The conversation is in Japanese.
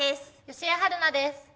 吉江晴菜です。